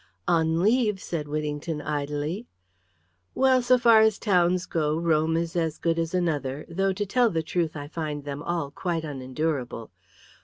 "On leave?" said Whittington, idly. "Well, so far as towns go, Rome is as good as another, though, to tell the truth, I find them all quite unendurable.